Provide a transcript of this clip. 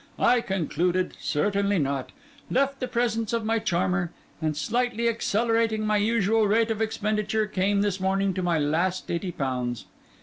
I concluded, certainly not; left the presence of my charmer, and slightly accelerating my usual rate of expenditure, came this morning to my last eighty pounds.